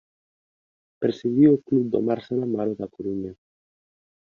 Presidiu o Club do Mar San Amaro da Coruña.